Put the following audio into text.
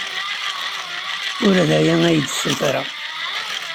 Ur d aya ay d-ssutreɣ.